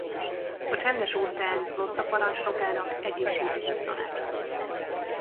A Csendes-óceáni Flotta parancsnokának egészségügyi tanácsadója.